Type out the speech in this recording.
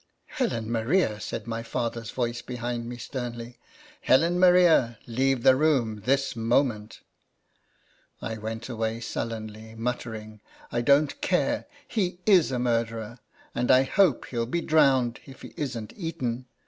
" Helen Maria !" said my father's voice behind me, sternly. "Helen Maria! leave the room this moment !"' INTRODUCTION. 25 I went away sullenly, muttering, " I don't care, he is a murderer; and I hope he '11 be drowned, if he isn't eaten